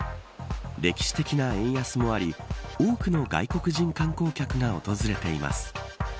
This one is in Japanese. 歴史的な円安もあり多くの外国人観光客が訪れています。